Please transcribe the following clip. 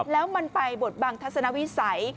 แล้วมันไปบทบังทัศนวิสัย